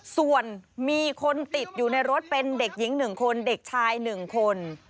ส่วนมีคนติดอยู่ในรถเป็นเด็กหญิง๑คนเด็กชาย๑คน